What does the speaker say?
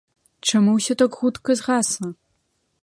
Чаму ўсё так хутка згасла?